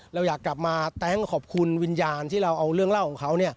เราอยากกลับมาแต๊งขอบคุณวิญญาณที่เราเอาเรื่องเล่าของเขา